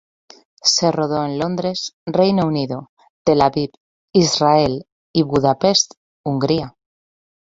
Se rodó en Londres, Reino Unido; Tel Aviv, Israel; y Budapest, Hungría.